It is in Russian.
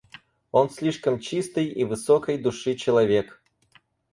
Он слишком чистый и высокой души человек.